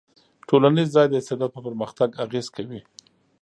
ټولنیز ځای د استعداد په پرمختګ اغېز کوي.